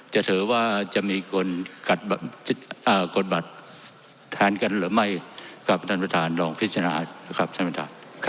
จะถือว่าจะมีคนกดบัตรแทนกันหรือไม่ครับท่านประธานลองพิจารณานะครับท่านประธาน